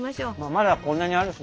まだこんなにあるし。